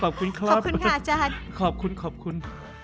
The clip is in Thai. ขอบคุณครับขอบคุณค่ะจาน